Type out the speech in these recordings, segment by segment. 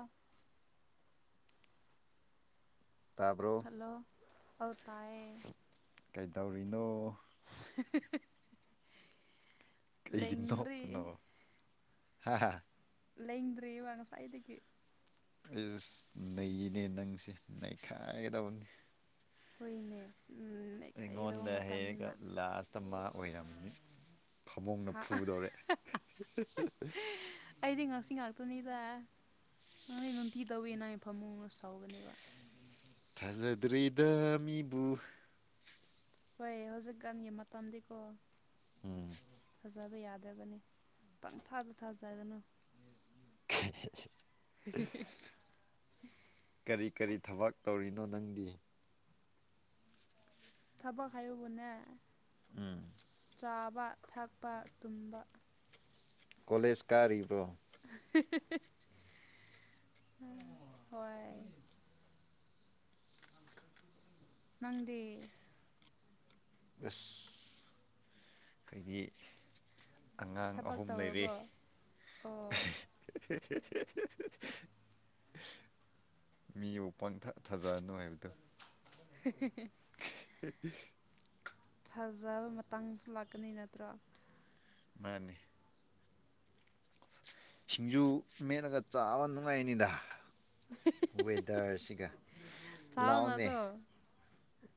ꯑ [unintelligible] ꯇꯥꯕ꯭ꯔꯣ ꯍꯂꯣ ꯑꯇꯥꯑ‌ꯦ ꯀꯩꯗꯧꯔꯤꯅꯣ [unintelligible] ꯀꯩꯒꯤ ꯂꯦꯡꯗ꯭ꯔꯤ ꯅꫭꯛꯄꯅ‌ꫭ ꯍꯥ ꯂ‌ꯦꯡꯗꯔꯤꯕ ꯉꯁꯥꯏꯗꯒꯤ ꯏꯤꯁ ꯅꯩꯅꯦ ꯅꯪꯁꯦ ꯅꯩꯈꯥꯏꯗꯕꯅꯤ ꯍꫭꯏꯅꯦ ꯑꯩꯉꯣꯟꯗ ꯍꯦꯌ‌ꯦꯒ ꯂꯥꯁꯇ ꯃꯥ ꯑꯣꯏꯔꯝꯃꯤ ꯈꯃꯨꯡꯅ ꯍꯥ ꯐꯨꯗꯧꯔꯦ ꯄꯅꯤꯗ ꯅꯪꯗꯤ ꯅꯨꯡꯇꯤ ꯇꯧꯋꯤ ꯅꯪꯒꯤ ꯐꯃꯨꯡꯅ ꯁꯧꯕꯅꯦꯕ ꯊꯥꯖꯗ꯭ꯔꯤꯗ ꯃꯤꯕꯨ ꯍꯣꯏ ꯍꯧꯖꯤꯛꯀꯥꯟꯒꯤ ꯃꯇꯝꯗꯤꯀꯣ ꯎꯝ ꯊꯖꯕ ꯌꯥꯗ ꯔꯥꯕꯅꯤ ꯄꯪꯊꯥꯗ ꯊꯥꯖꯒꯅꯨ ꯀꯔꯤ ꯀꯔꯤ ꯊꯕꯛ ꯇꯧꯔꯤꯅꯣ ꯂꯣꯅꯪꯗꯤ ꯊꯕꯛ ꯈꯡꯍꯥꯏꯕꯕꯨꯅꯦ ꯎꯝ ꯆꯥꯕ ꯊꯛꯄ ꯇꯨꯝꯕ ꯀꯣꯂꯦꯖ ꯀꯥꯔꯤꯕ꯭ꯔꯣ ꯍꯣꯏ ꯅꯪꯗ ꯑꯁ ꯑꯩꯈꯣꯏꯗꯤ ꯑꯉꯥꯡ ꯊꯕꯛ ꯑꯍꯨꯝ ꯂꯩꯔꯦ ꯇꯧꯔꯕꯣ ꯎ ꯃꯤꯕꯨ ꯄꯥꯡꯊ ꯊꯥꯖꯑꯅꯨ ꯍꯥꯏꯕꯗꯨꯣ [inaudible] ꯎꯝ ꯐꯖꯕ ꯃꯇꯥꯡꯁꯨ ꯂꯥꯛꯀꯅꯤ ꯅꯠꯇ꯭ꯔꯥ ꯃꯥꯅꯤ ꯁꯤꯡꯖꯨ ꯃꯦꯠꯂꯒ ꯆꯥꯕ ꯅꯨꯡꯉꯥꯏꯅꯤꯗ ꯋꯦꯗꯔꯁꯤꯒ ꯆꯥꯎꯅ ꯂꯥꯛꯑꯣꯅꯦ ꯑꯗꯣ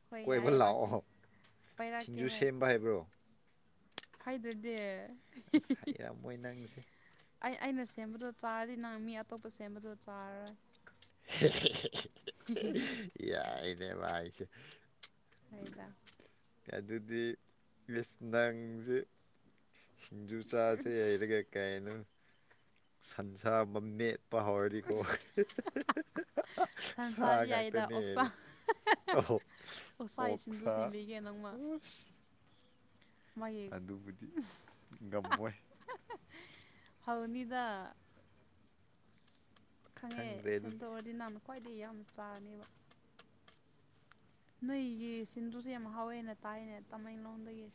ꯍꯣꯏ ꯀꯣꯏꯕ ꯌꯥꯏꯌꯦ ꯂꯥꯛꯀꯦ ꯂꯥꯛꯑꯣ ꯁꯤꯡꯖꯨ ꯁꯦꯝꯕ ꯍꯥꯏꯕ꯭ꯔꯣ ꯍꯩꯗ꯭ꯔꯦꯠ ꯑꯁꯔꯥ ꯃꯣꯏ ꯅꯪꯁꯦ ꯑꯩ ꯑꯩꯅ ꯁꯦꯝꯕꯗ ꯆꯥꯔꯗꯤ ꯅꯪ ꯃꯤ ꯑꯇꯣꯞꯄ ꯁꯦꯝꯕꯗ ꯆꯥꯔꯔꯣꯏ ꯌꯥꯏꯅꯦ ꯃꯥꯥꯏꯁꯦ ꯍꯥꯏꯗ ꯑꯗꯨꯗꯤ ꯦꯁ ꯅꯪꯁꯦ ꯁꯤꯡꯖꯨ ꯆꯥꯁꯦ ꯍꯩꯔꯒ ꯀꯩꯅꯣ ꯁꯟꯁꯥ ꯃꯃꯦꯠ ꯄꯍꯔꯦꯗꯤ ꯀꯣ ꯁꯟꯁꯥꯗꯤ ꯁꯥꯒꯥꯛꯇ ꯌꯥꯏꯗ ꯑꯣꯛꯁꯥ ꯅꯔ ꯑꯣꯛꯁꯥꯒꯤ ꯁꯤꯡꯖꯨ ꯑꯣꯛꯁꯥ ꯁꯦꯝꯕꯤꯒꯦ ꯅꯪꯃ ꯃꯥꯒꯤ ꯑꯗꯨꯕꯨꯗꯤ ꯉꯝꯃꯣꯏ ꯍꯧꯥꯎꯅꯤꯗ ꯈꯪꯉꯦ ꯈꯪꯗ꯭ꯔꯦ ꯑꯗꯨꯗꯤ ꯁꯦꯝꯗꯣꯛꯎꯑꯗꯤ ꯅꯍꯥꯟ ꯈ꯭ꯋꯥꯏꯗꯒꯤꯩ ꯌꯥꯝ ꯆꯥꯔꯅꯦꯕ ꯅꯣꯏꯒꯤ ꯟꯖꯨꯁꯦ ꯌꯥꯝ ꯍꯥꯎꯋꯦꯅ ꯇꯥꯏꯅꯦ ꯇꯃꯦꯡꯂꯣꯡꯗꯒꯤ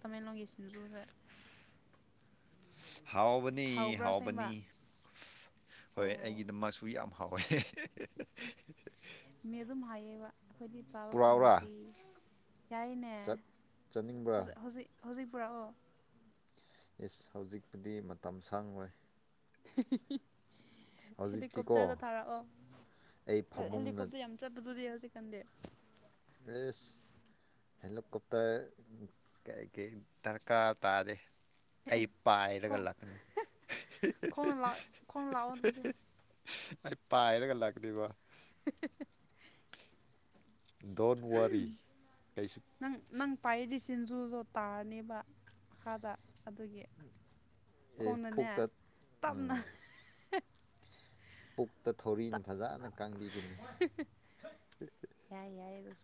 ꯇꯃꯦꯡꯂꯣꯡꯒꯤ ꯟꯖꯨꯗ [inaudible] ꯍꯥꯎꯕꯅꯤ ꯍꯥꯎꯕꯅꯤ ꯍꯣꯏ ꯑꯣ ꯑꯩꯒꯤꯗ ꯃꯁꯨ ꯌꯥꯝ ꯍꯥꯎꯋ ꯍꯣꯏ ꯃꯤ ꯑꯗꯨꯝ ꯍꯥꯏꯌꯦꯕ ꯑꯩꯈꯣꯏꯗꯤ ꯆꯥꯕ ꯄꯨꯔꯥꯎꯔꯥ ꯐꯪꯗ꯭ꯔꯤ ꯌꯥꯏꯅꯦ ꯆꯠ ꯆꯠꯅꯤꯡꯕ꯭ꯔꯥ ꯍꯧꯖꯤꯛ ꯍꯧꯖꯤꯛ ꯄꯨꯥ ꯑꯣ ꯌꯦꯁ ꯍꯧꯖꯤꯛꯄꯨꯗꯤ ꯃꯇꯝ ꯁꯥꯡꯉꯣꯏ [inaudible] ꯍꯧꯖꯤꯛꯇꯤꯀꯣ ꯍꯦꯂꯤꯀꯣꯞꯇꯔꯗ ꯊꯥꯔꯛꯑꯣ ꯑꯩ ꯐꯃꯨꯡꯅ ꯍꯦꯂꯤꯀꯣꯞꯇꯔ ꯌꯥꯝ ꯆꯠꯄꯗꯨꯗꯤ ꯆ ꯀꯗꯦ ꯦꯁ ꯍꯦꯂꯤꯀꯣꯞꯇꯔ ꯀ ꯗꯔꯀꯥꯔ ꯇꯥꯔꯦ ꯑꯦ ꯑꯩ ꯈꯣꯡ ꯄꯥꯔꯒꯂ ꯀꯅꯤ ꯈꯣꯡꯅ ꯂꯥꯛ ꯈꯣꯡꯅ ꯂꯥꯛꯑꯣ ꯑꯗꯨꯗꯤ ꯑꯩ ꯄꯥꯏꯔꯒ ꯂꯥꯛꯒꯅꯤꯕꯣ [inaudible] ꯗꯣꯟꯋꯥꯔꯤ ꯀꯩꯁꯨ ꯄꯥꯏꯂꯤ ꯁꯤꯡꯖꯨꯗꯣ ꯇꯥꯔꯅꯦꯕ ꯃꯈꯥꯗ ꯑꯗꯨꯒꯤ ꯑꯦ ꯈꯣꯡꯅꯅꯦ ꯄꯨꯛꯇ ꯇꯞꯅ ꯎꯝ ꯄꯨꯛꯇ ꯊꯧꯔꯤꯅ ꯇꯞ ꯐꯖꯅ ꯀꯥꯡꯕꯤꯒꯅꯤ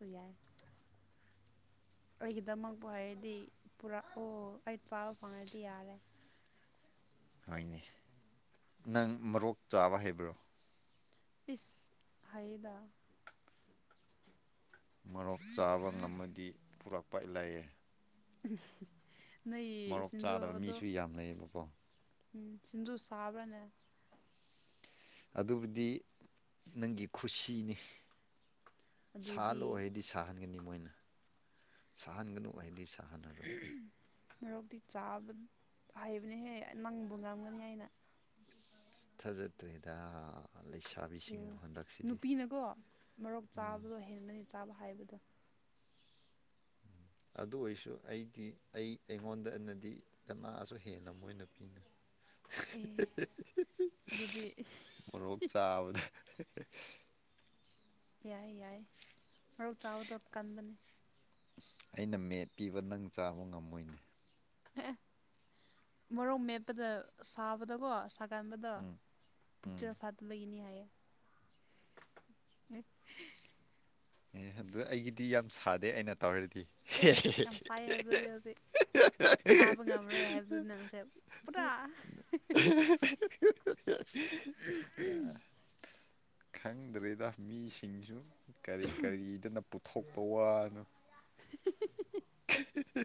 ꯎ ꯁ ꯌꯥꯥꯏ ꯑꯩꯒꯤꯗꯃꯛꯄ ꯍꯥꯏꯔꯗꯤ ꯄꯨꯔꯥ ꯑꯣ ꯑꯩ ꯆꯥꯕ ꯐꯪꯉꯗꯤ ꯌꯥꯔꯦ ꯍꯣꯏꯅꯦ ꯅꯪ ꯃꯔꯣꯔꯣꯛ ꯆꯥꯕ ꯍꯥꯏꯩꯕ꯭ꯔꯣ ꯄꯤꯁ ꯍꯥꯏꯗ ꯃꯔꯣꯛ ꯆꯥꯕ ꯉꯝꯃꯗꯤ ꯄꯨꯔꯛꯄꯂꯑꯦ ꯅꯣꯏ ꯆꯥꯗꯕ ꯁꯤꯡꯖꯨꯗꯣ ꯃꯤꯁꯨ ꯌꯥꯝ ꯂꯩꯌꯦꯕꯀꯣ ꯎꯝ ꯁꯤꯡꯖꯨ ꯁꯥꯕ꯭ꯔꯅꯦ ꯑꯗꯨꯕꯨꯗꯤ ꯅꯪꯒꯤ ꯈꯨꯁꯤꯅꯤ ꯑꯗꯨꯗꯤ ꯁꯥꯍꯜꯂꯣ ꯑꯩꯍꯗꯤ ꯁꯥꯍꯟꯒꯅꯤ ꯃꯣꯏꯅ ꯁꯥꯍꯟꯒꯅꯨ ꯑꯩꯗꯤꯅꯤ ꯍꯝ ꯃꯔꯣꯔꯣꯛꯇꯤ ꯆꯥꯕ ꯍꯩꯕꯅꯦꯍꯦ ꯅꯪꯕꯨ ꯉꯝꯒꯅꯤ ꯍꯥꯏꯩꯅ ꯊꯖ ꯇꯦꯗ ꯑꯦ ꯅꯨꯄꯤꯅꯀꯣ ꯃꯔꯣꯛ ꯎꯝ ꯆꯥꯕꯗꯣ ꯍꯦꯟꯒꯅꯤ ꯆꯥꯕ ꯍꯥꯏꯕꯗꯣ ꯑꯗꯨ ꯑꯣꯏꯔꯁꯨ ꯑꯩꯗꯤ ꯑꯩ ꯑꯩꯉꯣꯟꯗꯅꯗꯤ ꯀꯅꯥꯁꯨ ꯍꯦꯟꯅ ꯃꯣꯏꯅ ꯄꯤꯅꯩ ꯑꯦ ꯑꯗꯨꯗꯤ ꯃꯣꯔꯣꯛ [unintelligible] ꯌꯥꯏ ꯌꯥꯏ ꯃꯔꯧ ꯆꯥꯕꯗꯣ ꯀꯟꯕꯅꯤ [inaudible] ꯑꯩꯅ ꯃꯦꯠ ꯄꯤꯕ ꯅꯪ ꯆꯥꯕ ꯉꯝꯃꯣꯏꯅꯦ ꯑꯦ ꯃꯣꯔꯣꯛ ꯃꯦꯠꯄꯗ ꯁꯥꯕꯗꯀꯣ ꯑꯀꯥꯟꯕꯗꯣ ꯎꯝ ꯎꯝ ꯄꯨꯛꯆ ꯐꯠꯇꯕꯒꯤꯅꯤ ꯍꯥꯏꯌꯦ ꯃꯤ ꯑꯦ ꯑꯗꯨ ꯑꯩꯒꯤꯗꯤ ꯌꯥꯝ ꯁꯥꯗꯦ ꯑꯩꯅ ꯇꯧꯔꯗꯤ ꯑꯦ ꯑꯦ ꯌꯥꯝ ꯁꯥꯏ ꯍꯥꯏꯕꯗꯨꯗꯤ ꯍꯧꯖꯤꯛ ꯆꯥꯕ ꯉꯝꯃꯔꯣꯏ ꯍꯥꯏꯕꯗꯨꯗꯤ ꯅꯪꯁꯦ ꯄꯨꯔꯥ [unintelligible] ꯈꯪꯗ꯭ꯔꯦꯗ ꯃꯤꯁꯤꯡꯁꯨ ꯀꯔꯤ ꯀꯔꯤꯗꯅ ꯄꯨꯊꯣꯛꯄ ꯋꯥꯅꯣ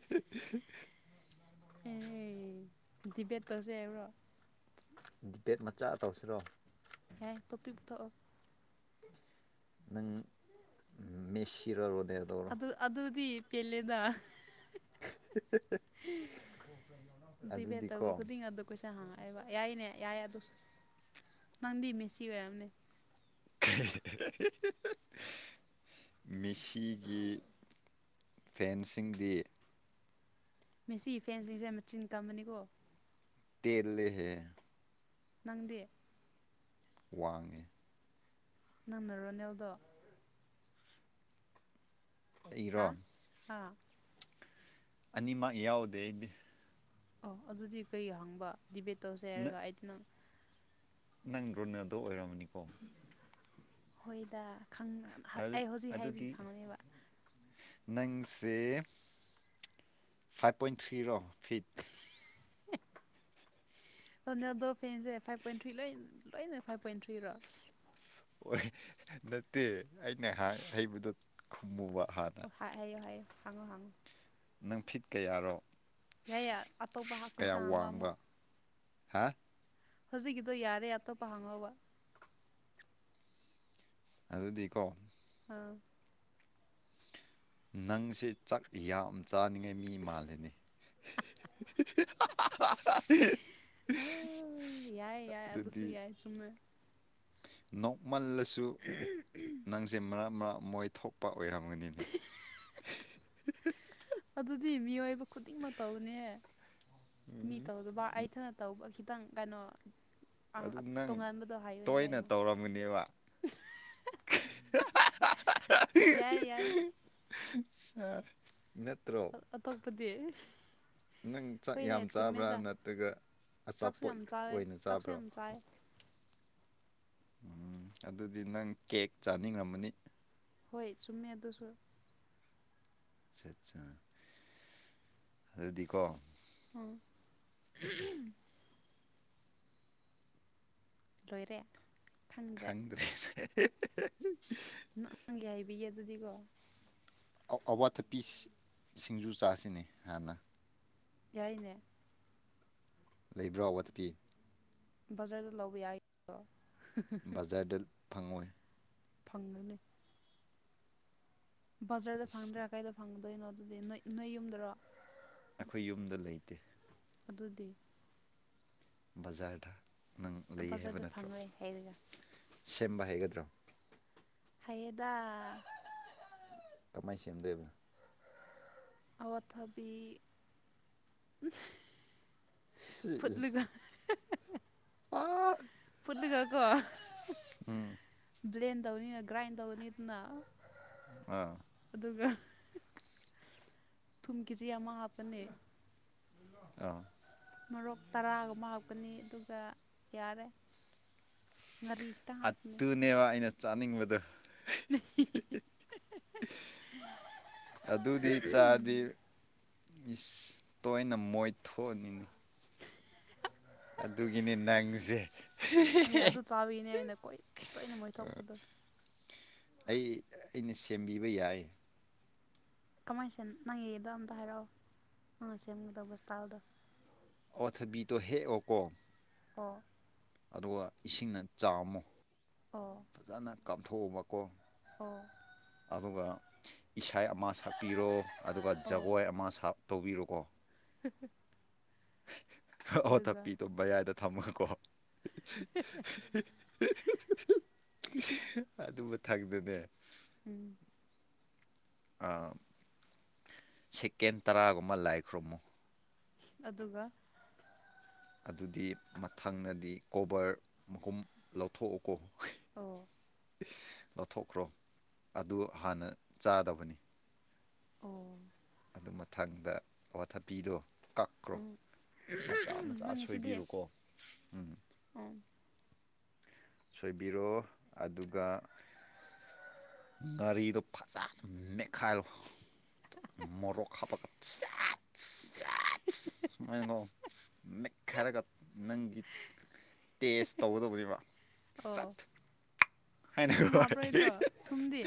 [unintelligible] ꯑꯦ ꯗꯤꯕꯦꯠꯇꯁꯦ ꯍꯥꯏꯎ꯭ꯔꯣ ꯗꯤꯕꯦꯠ ꯃꯆꯥ ꯇꯧꯁꯤꯔꯣ ꯍꯦ ꯇꯣꯄꯤꯤꯊ ꯅꯪ ꯃꯦꯁꯤꯔꯔꯣꯅꯦꯗꯧꯔꯣ ꯀꯦꯂꯦꯗ ꯤꯚꯦ ꯇꯕꯨ ꯑꯗꯨꯗꯤꯀꯣ ꯈꯨꯗꯤ ꯑꯗꯨꯗ ꯀꯩꯁ ꯆ ꯍꯪꯉꯛꯑꯦꯕ ꯌꯥꯏꯅꯦ ꯌꯥꯏ ꯑꯗꯨꯁꯨ ꯅꯪꯗꯤ ꯃꯦꯁꯤ ꯑꯣꯏꯔꯝꯅꯦ [inaudible] ꯃꯤꯁꯤꯒꯤ ꯐꯦꯟꯁꯤꯡꯗꯤ ꯃꯦꯁꯤꯒꯤ ꯐꯦꯟꯁꯤꯡꯁꯦ ꯌꯥꯝ ꯃꯆꯤꯟ ꯇꯝꯕꯅꯤꯀꯣ ꯇꯜ ꯂꯩ ꯍꯦ ꯅꯪꯗꯦ ꯋꯥꯡꯉꯤ ꯅꯪꯅ ꯔꯣꯅꯦꯜꯗꯣ ꯍꯥ ꯑꯩꯔꯣ ꯑꯥ ꯑꯅꯤꯃꯛ ꯌꯥꯎꯗꯦ ꯑꯩꯗꯤ ꯑꯣ ꯑꯗꯨꯗꯤ ꯀꯔꯤ ꯍꯪꯕ ꯗꯤꯕꯦꯠ ꯇꯧꯁꯦ ꯅ ꯍꯥꯏꯔꯒ ꯑꯩꯗꯤ ꯅꯪ ꯅꯪ ꯔꯣꯅꯗꯣ ꯑꯣꯏꯔꯝꯃꯅꯤꯀꯣ ꯍꯣꯏꯗ ꯑꯗꯨ ꯑꯩ ꯍꯧꯖꯤꯛ ꯍꯥꯏꯕꯤ ꯑꯗꯨꯗꯤ ꯈꯪꯒꯅꯦꯕ ꯅꯪꯁꯦ ꯐꯥꯏꯚ ꯄꯣꯏꯟ ꯊ꯭ꯔꯤꯔꯣ ꯐꯤꯠ [inaudible] ꯑꯗꯨꯅ ꯑꯗꯣ ꯐꯦꯟꯁꯦ ꯐꯥꯏꯚ ꯄꯣꯏꯟ ꯊ꯭ꯔꯤ ꯂ ꯂꯣꯏꯅ ꯐꯥꯏꯚ ꯄꯣꯏꯟ ꯊ꯭ꯔꯤꯔꯣ ꯑꯣꯏ ꯅꯠꯇꯦ ꯑꯩꯅꯍꯥꯛ ꯍꯩꯕꯗꯣ ꯈꯨꯝꯃꯨꯕ ꯍꯥꯟꯅ ꯍꯥꯏꯌꯨ ꯍꯥꯏꯌꯨ ꯍꯪꯉꯣ ꯍꯥꯡꯉꯣ ꯅꯪ ꯐꯤꯠ ꯀꯌꯥꯔꯣ ꯌꯥꯏ ꯌꯥꯏ ꯑꯇꯣꯞꯄ ꯀꯌꯥ ꯍꯥꯈꯣꯏꯁꯥꯡ ꯍꯥꯡꯉꯣ ꯋꯥꯡꯕ ꯑꯃꯨꯛ ꯍꯥ ꯍꯧꯖꯤꯛꯀꯤꯗꯣ ꯌꯥꯔꯦ ꯑꯇꯣꯞꯄ ꯍꯥꯡꯉꯧꯕ ꯑꯗꯗꯤꯀꯣ ꯑꯥ ꯅꯪꯁꯦ ꯆꯥꯛ ꯌꯥꯝ ꯆꯥꯅꯤꯡꯉꯥꯏ ꯃꯤ ꯃꯥꯜꯂꯤꯅꯤ ꯍ ꯌꯥꯏ ꯌꯥꯏ ꯑꯗꯨꯁꯨ ꯌꯥꯏ ꯆꯨꯝꯃꯦ ꯅꯣꯡꯃꯜꯂꯁꯨ ꯅꯪꯁꯦ ꯃꯔꯛ ꯃꯔꯛ ꯃꯣꯏ ꯊꯣꯛꯄ ꯑꯣꯏꯔꯝꯒꯅꯤꯅꯦ ꯑꯗꯨꯗꯤ ꯃꯤꯑꯣꯏꯕ ꯈꯨꯗꯤꯡꯃꯛꯛꯇꯧꯅꯦ ꯃꯤ ꯇꯧꯗꯕ ꯑꯩꯊꯅ ꯇꯧꯕ ꯈꯤꯇꯪ ꯈꯤꯇꯪ ꯀꯩꯅꯣ ꯑꯗꯨ ꯑꯥ ꯅꯪ ꯇꯣꯉꯥꯟꯕꯗꯣ ꯍꯥꯏꯕꯅꯦ ꯇꯣꯏꯅ ꯀꯩꯅꯣ ꯇꯧꯔꯝꯒꯅꯦꯕ ꯌꯥꯏ ꯌꯥꯏ ꯑ ꯅꯠꯇ꯭ꯔꯣ ꯑꯇꯣꯞꯄꯗꯤ ꯅꯪ ꯆꯥꯛ ꯍꯣꯏꯅꯦ ꯌꯥꯝ ꯆꯥꯕ꯭ꯔꯥ ꯆꯨꯝꯃꯦꯗ ꯅꯠꯇ꯭ꯔꯒ ꯆꯥꯛꯁꯨ ꯑꯆꯥꯄꯣꯠ ꯌꯥꯝ ꯆꯥꯋꯦ ꯑꯣꯏꯅ ꯆꯥꯛꯁꯨ ꯆꯥꯕ꯭ꯔꯥ ꯌꯥꯝ ꯆꯥꯏ ꯎꯝ ꯑꯗꯨꯗꯤ ꯅꯪ ꯀꯦꯛ ꯆꯥꯅꯤꯡꯉꯝꯃꯅꯤ ꯍꯣꯏ ꯆꯨꯝꯃꯦ ꯑꯗꯨꯁꯨ ꯑꯗꯨꯗꯤꯀꯣ ꯍ ꯂꯣꯏꯔ ꯈꯪꯗ꯭ꯔꯦ ꯅꯪꯉꯪꯒꯦ ꯍꯥꯏꯕꯤꯌꯦꯦ ꯑꯗꯨꯗꯤꯀꯣ ꯑꯋꯥꯊꯄꯤ ꯁꯤꯡꯖꯨ ꯆꯥꯁꯤꯅꯤ ꯍꯥꯟꯅ ꯌꯥꯏꯅꯦ ꯂꯩꯕ꯭ꯔꯥ ꯋꯥꯠꯄꯤ ꯕꯖꯥꯔꯗ ꯂꯧꯕ ꯌꯥꯏꯗꯣ ꯕꯖꯥꯔꯗ ꯐꯪꯉꯏ ꯐꯪꯅꯅꯤ ꯕꯖꯔꯗ ꯏꯁ ꯐꯪꯗ꯭ꯔꯥ ꯀꯥꯏꯗ ꯐꯪꯗꯣꯏꯅꯣ ꯑꯗꯨꯗꯤ ꯅꯣꯏ ꯅꯣꯏ ꯌꯨꯝꯗꯔꯣ ꯑꯩꯈꯣꯏ ꯌꯨꯝꯗ ꯂꯩꯇꯦ ꯑꯗꯨꯗꯤ ꯕꯖꯥꯔꯗ ꯅꯪ ꯂꯩ ꯍꯥꯏꯕ ꯕꯖꯥꯔꯗ ꯅꯠꯇ꯭ꯔꯣ ꯐꯪꯉꯣꯏ ꯍꯥꯏꯔꯒ ꯁꯦꯝꯕ ꯍꯩꯒꯗ꯭ꯔꯣ ꯍꯥꯏꯌꯦꯗ ꯀꯃꯥꯏ ꯁꯦꯝꯗꯣꯏꯕ ꯑꯋꯥ ꯊꯕꯤ ꯁꯤ ꯐꯠꯂꯨꯒ ꯏꯁ ꯑꯥ ꯀꯀ ꯕ꯭ꯂꯦꯟ ꯇꯧꯅꯤꯅ ꯒ꯭ꯔꯥꯏꯟ ꯇꯧꯒꯅꯤ ꯑꯗꯨꯅ ꯑꯥ ꯑꯗꯨꯒ ꯊꯨꯝꯒꯤꯖꯤ ꯌꯥꯝ ꯑꯃ ꯍꯥꯞꯄꯅꯦ ꯑꯥ ꯃꯔꯣꯛ ꯇꯔꯥꯒ ꯃꯥꯞꯀꯅꯤ ꯑꯗꯨꯒ ꯌꯥꯔꯦ ꯉꯥꯔꯤ ꯈꯤꯇꯪ ꯑꯗꯨꯠꯇꯨꯅꯦꯕ ꯑꯩꯅ ꯆꯥꯅꯤꯡꯕꯗ ꯅ ꯑꯗꯨꯗꯤ ꯆꯥꯗꯤ ꯏꯁ ꯇꯣꯏꯅ ꯃꯣꯏꯊꯣꯛꯑꯅꯤꯅꯤ ꯑꯗꯨꯒꯤꯅꯤ ꯅꯪꯁꯦ ꯍꯍ ꯑꯗꯨ ꯆꯥꯕꯅꯦ ꯑꯩꯅ ꯀꯣꯏ ꯇꯣꯏꯅ ꯃꯣꯏ ꯊꯣꯛꯣꯛꯄꯗꯣ ꯑꯩ ꯑꯩꯅ ꯁꯦꯝꯕꯤꯕ ꯌꯥꯏ ꯀꯃꯥꯏꯅ ꯁ ꯅꯪꯉꯗꯣ ꯑꯝꯇ ꯍꯥꯏꯔꯛꯑꯣ ꯅꯪ ꯁꯦꯝꯒꯗꯕ ꯕꯣꯁꯇꯥꯜꯗꯣ ꯑꯣꯊꯕꯤꯗꯣ ꯍꯦꯛ ꯑꯣꯀꯣ ꯀꯣ ꯑꯗꯨꯒ ꯏꯁꯤꯡꯅ ꯆꯥꯝꯃꯨ ꯑꯣ ꯐꯖꯅ ꯀꯥꯞꯊꯣꯛꯑꯕꯀꯣ ꯑꯣ ꯑꯗꯨꯒ ꯏꯁꯥ ꯑꯃ ꯁꯛꯄꯤꯔꯣ ꯑꯗꯨꯒ ꯑꯣ ꯖꯒꯣꯏ ꯑꯃ ꯁꯥꯞ ꯇꯧꯕꯤꯔꯣꯀꯣ [unintelligible] ꯑꯣ ꯑꯗꯨꯒ ꯇꯄꯤꯗꯣ ꯃꯕꯌꯥꯏꯗ ꯊꯝꯃꯀꯣ ꯑꯗꯨꯝꯕꯊꯛꯛꯇꯅꯦ ꯎꯝ ꯁꯦꯀꯦꯟ ꯇꯔꯥꯒꯨꯝꯕ ꯂꯥꯏꯈ꯭ꯔꯨꯝꯃꯨ ꯑꯗꯨꯒ ꯑꯗꯨꯗꯤ ꯃꯊꯪꯅꯗꯤ ꯀꯣꯕꯔ ꯃꯨꯝ ꯂꯧꯊꯣꯛꯎꯀꯣ ꯑꯣ ꯂꯧꯊꯣꯛꯈ꯭ꯔꯣ ꯑꯗꯨ ꯍꯥꯟꯅ ꯆꯥꯗꯕꯅꯤ ꯑꯣ ꯑꯗꯨ ꯃꯊꯪꯗ ꯑꯋꯥꯊꯕꯤꯗꯣ ꯀꯛꯈ꯭ꯔꯣ ꯎꯝ ꯃꯆꯥ ꯃꯆꯥ ꯅꯪꯒꯤꯁꯤꯗꯤ ꯁꯣꯏꯕꯤꯔꯣꯀꯣ ꯎꯝ ꯎꯝ ꯁꯣꯏꯕꯤꯔꯣ ꯑꯗꯨꯒ ꯒꯥꯔꯤꯗꯣ ꯐꯖ ꯑꯗꯨ ꯅꯦꯛꯠꯈꯥꯏꯂꯣ ꯃꯣꯔꯣꯛ ꯍꯥꯄ ꯁꯨꯃꯥꯏꯅꯣ ꯃꯠ ꯈꯥꯏꯔꯒ ꯅꯪꯒꯤ ꯇꯦꯁ ꯇꯧꯒꯗꯕꯅꯦꯕ ꯑꯣ ꯁꯠ ꯊꯨꯝ ꯍꯥꯏꯅꯀ ꯍꯥꯞꯄꯔꯣꯏꯗ꯭ꯔꯣ ꯊꯨꯝꯗꯤ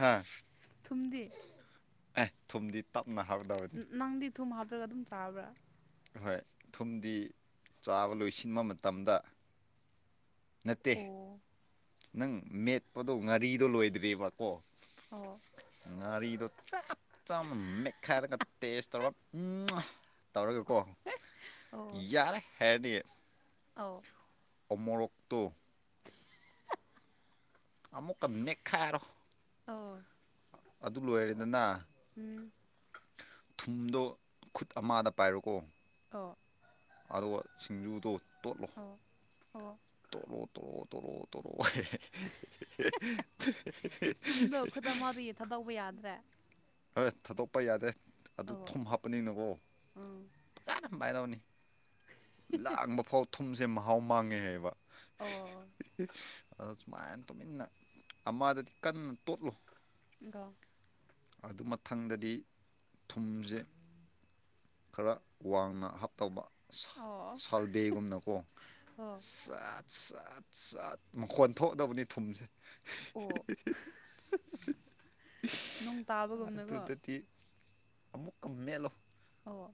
ꯍꯥ ꯐꯨꯝꯗꯦ ꯑꯦ ꯊꯨꯝꯗꯤ ꯇꯞ ꯅꯪꯗꯤ ꯊꯨꯝ ꯍꯥꯞꯇꯒ ꯑꯗꯨꯝ ꯆꯥꯕ꯭ꯔꯥ ꯍꯣꯏ ꯊꯨꯝꯗꯤ ꯆꯥꯕ ꯂꯣꯏꯁꯤꯟꯕ ꯃꯇꯝꯗ ꯅꯠꯇꯦ ꯑꯣ ꯅꯪ ꯃꯦꯠꯄꯗꯣ ꯉꯥꯔꯤꯗꯣ ꯂꯣꯏꯗ꯭ꯔꯤꯕꯕ ꯀꯣ ꯑꯣ ꯉꯥꯔꯤꯗꯣ ꯆꯞ ꯆꯥꯅ ꯃꯦꯠꯈꯥꯏꯔꯒ ꯇꯦꯁ ꯇꯧꯔꯞ ꯎꯝ ꯇꯧꯔꯒꯀꯣ ꯌꯥꯔꯦ ꯍꯥꯏꯔꯗꯤ ꯑꯧ ꯑꯣꯃꯔꯣꯛꯛꯇ ꯑꯃꯨꯛꯀ ꯅꯦꯛꯈꯥꯏꯔꯣ ꯑꯣ ꯑꯗꯨ ꯂꯣꯏꯔꯦꯗꯅ ꯎꯝ ꯊꯨꯝꯗꯣ ꯈꯨꯠ ꯑꯃꯗ ꯄꯥꯏꯔꯣꯀꯣ ꯑꯣ ꯑꯗꯣ ꯁꯤꯡꯖꯨꯗꯣ ꯇꯣꯠꯂꯣ ꯑꯣ ꯑꯣ ꯇꯣꯠꯂꯣ ꯇꯂꯣ ꯇꯣꯔꯣ ꯇꯂꯣ ꯊꯨꯝꯗꯣ ꯈꯨꯠ ꯑꯃꯗ ꯌꯦꯊꯗꯧꯕ ꯌꯥꯗ꯭ꯔꯦ ꯍꯣꯏ ꯊꯥꯗꯣꯛꯄ ꯌꯥꯗꯦ ꯑꯗꯨ ꯑꯣ ꯊꯨꯝ ꯍꯥꯞꯄꯅꯤꯅꯀꯣ ꯎꯝ ꯐꯖꯅ ꯄꯥꯏꯗꯅꯕꯅꯤ ꯂꯥꯡꯕ ꯐꯥꯎ ꯊꯨꯝꯁꯦ ꯃꯍꯥꯎ ꯃꯥꯡꯉꯦ ꯍꯥꯏꯕ ꯑꯣ ꯑꯗ ꯁꯨꯃꯥꯏꯅ ꯇꯨꯃꯤꯟꯅ ꯑꯃꯗꯗꯤ ꯀꯟꯅ ꯇꯣꯠꯂꯨ ꯔꯣ ꯑꯗꯨ ꯃꯊꯪꯗꯗꯤ ꯊꯨꯝꯁꯦ ꯈꯔ ꯋꯥꯡꯅ ꯍꯥꯞꯇꯧꯕ ꯑꯣ ꯁꯜꯕꯦꯒꯨꯝꯅꯀꯣ ꯑꯣ ꯁꯠ ꯁꯠ ꯆꯠ ꯃꯈꯣꯟ ꯊꯣꯛꯗꯕꯅꯤ ꯊꯨꯝꯁꯦ ꯑꯣ ꯅꯣꯡ ꯇꯥꯕꯒꯨꯝꯅꯀꯣ ꯑꯗꯨꯗꯗꯤ ꯑꯃꯨꯛꯀ ꯃꯦꯠꯂꯣ ꯍ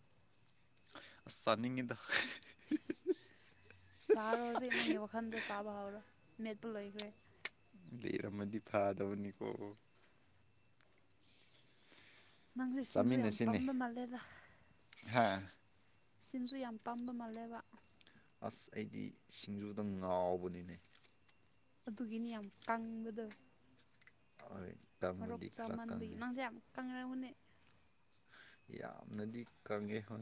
ꯑꯁ ꯆꯥꯅꯤꯡꯉꯤꯗ ꯆꯥꯔꯣ ꯍꯧꯖꯤꯛ ꯅꯪꯒꯤ ꯋꯥꯈꯜꯗ ꯆꯥꯕ ꯍꯧꯎꯔꯣ ꯃꯦꯠꯄꯣ ꯂꯣꯏꯈ꯭ꯔꯦ ꯂꯩꯔꯝꯃꯗꯤ ꯐꯥꯗꯧꯅꯤꯀꯣ ꯅꯪꯁꯨ ꯁꯤꯁꯤꯡꯁꯨ ꯌꯥꯝ ꯄꯝꯕ ꯃꯥꯜꯂꯦꯗ ꯍꯥꯥ ꯁꯤꯟꯁꯨ ꯌꯥꯝ ꯄꯥꯝꯕ ꯃꯥꯜꯂꯦꯕ ꯑꯁ ꯑꯩꯗꯤ ꯁꯤꯡꯖꯨꯗꯪ ꯉꯥꯎꯕꯅꯤꯅꯦ ꯑꯗꯨꯒꯤꯅꯤ ꯌꯥꯝ ꯀꯪꯕꯗ ꯍꯣꯏ ꯃꯔꯣꯛ ꯀꯪꯕꯗꯤ ꯈꯔ ꯆꯥꯃꯟꯕꯒꯤ ꯀꯪꯉꯦ ꯅꯪꯁꯦ ꯌꯥꯝ ꯀꯪꯅꯕꯅꯦ ꯌꯥꯝꯅꯗꯤ ꯀꯪꯉꯦ ꯍ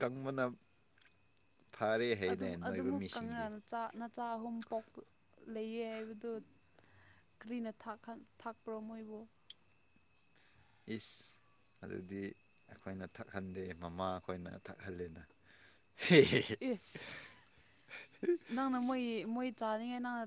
ꯀꯪꯕꯅ ꯐꯔꯦ ꯍꯥꯏꯅꯦ ꯝ ꯅꯣꯏꯕ ꯑꯗꯨꯃꯛ ꯃꯤꯁꯤꯡꯗꯤ ꯅꯆꯥ ꯑꯍꯨꯝ ꯄꯣꯛ ꯂꯩꯌꯦ ꯍꯥꯏꯕꯗꯨ ꯀꯔꯤꯅ ꯊꯥꯛꯄ꯭ꯔꯣ ꯃꯣꯏꯕꯨ ꯏꯁ ꯑꯗꯨꯗꯤ ꯑꯩꯈꯣꯏꯅ ꯊꯛꯍꯟꯗꯦ ꯃꯃꯥ ꯑꯩꯈꯣꯏꯅ ꯊꯛꯍꯜꯂꯦꯅ ꯑꯦ ꯅꯪꯅ ꯃꯣꯏ ꯃꯣꯏ ꯆꯥꯅꯤꯡꯉꯥꯏ ꯅꯪꯅ